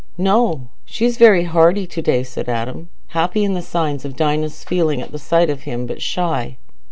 "No, she's very hearty to day," said Adam, happy in the signs of Dinah's feeling at the sight of him, but shy.